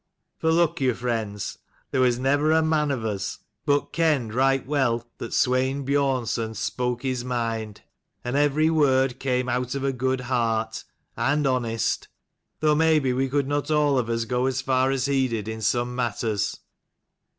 For look you, friends, there was never a man of us but kenned right 154 well that Swein Biornson spoke his mind, and every word came out of a good heart, and honest; though maybe we could not all of us go as far as he did, in some matters.